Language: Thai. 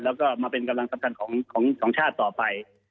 แล้วก็มาเป็นกำลังทรัพย์ของชาติต่อไป